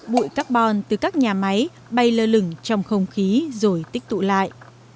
bụi carbon từ các nhà máy bay lơ lửng trong không khí rồi tích tụ lại